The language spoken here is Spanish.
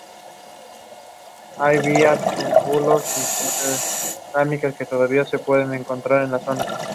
Álbumes individuales han ganado y han sido nominados a varios premios.